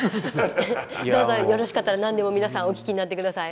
どうぞよろしかったら何でも皆さんお聞きになってください。